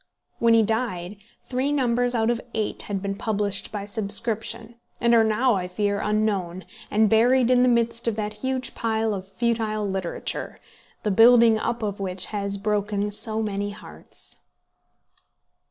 When he died, three numbers out of eight had been published by subscription; and are now, I fear, unknown, and buried in the midst of that huge pile of futile literature, the building up of which has broken so many hearts.